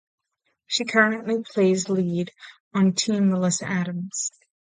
She currently plays lead on Team Melissa Adams.